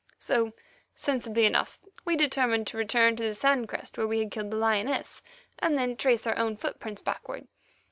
So, sensibly enough, we determined to return to the sand crest where we had killed the lioness, and then trace our own footprints backward.